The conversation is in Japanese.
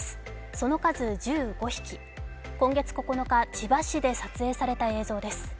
その数、１５匹、今月９日、千葉市で撮影された映像です。